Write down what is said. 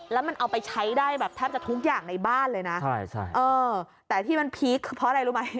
แล้วมันเอาไปใช้ได้แบบแทบจะทุกอย่างในบ้านเลยนะใช่ใช่เออแต่ที่มันพีคคือเพราะอะไรรู้ไหม